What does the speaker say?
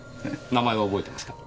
名前は覚えてますか？